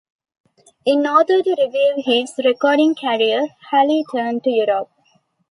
In order to revive his recording career, Haley turned to Europe.